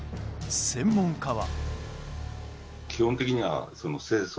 専門家は。